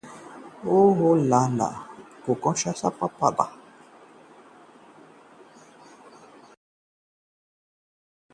Poland के Kucharski भारतीय table tennis team के कोच नियुक्त